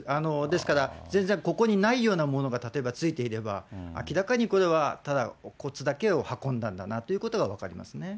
ですから、全然ここにないようなものが例えば付いていれば、明らかにこれは、ただお骨だけを運んだんだなということが分かりますね。